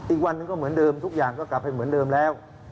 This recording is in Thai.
อีกวันหนึ่งก็เหมือนเดิมทุกอย่างก็กลับไปเหมือนเดิมแล้ว